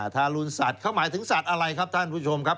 ทารุณสัตว์เขาหมายถึงสัตว์อะไรครับท่านผู้ชมครับ